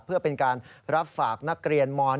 เพื่อเป็นการรับฝากนักเรียนม๑